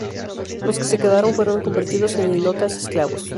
Los que se quedaron fueron convertidos en hilotas, esclavos.